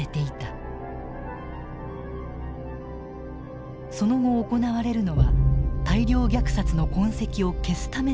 その後行われるのは大量虐殺の痕跡を消すための作業だった。